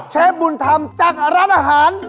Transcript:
บุญธรรมจากร้านอาหาร